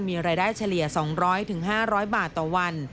มีรายได้เฉลี่ย๒๐๐๕๐๐บาทต่อวัน